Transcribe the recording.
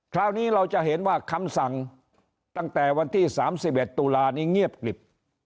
คราวนี้เราจะเห็นว่าคำสั่งตั้งแต่วันที่๓๑ตุลานี้เงียบกลิบ